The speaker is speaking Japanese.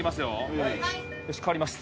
はいよし代わります